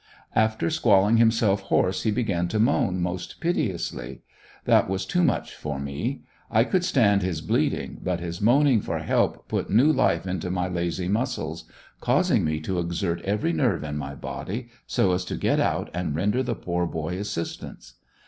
After squalling himself hoarse he began to moan most pitiously. That was too much for me. I could stand his bleating but his moaning for help put new life into my lazy muscles, causing me to exert every nerve in my body, so as to get out and render the poor boy assistance.